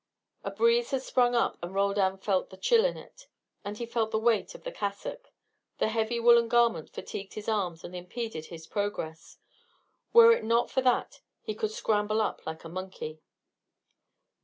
A breeze had sprung up and Roldan felt the chill in it. And he felt the weight of the cassock. The heavy woollen garment fatigued his arms and impeded his progress. Were it not for that he could scramble up like a monkey.